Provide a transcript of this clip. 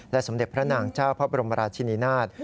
สมเด็จพระนางเจ้าพระบรมราชินินาศ